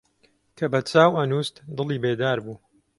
کە بە چاو ئەنووست دڵی بێدار بوو